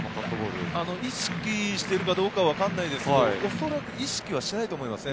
意識してるかどうかは分からないですけど、おそらく意識はしていないと思いますね。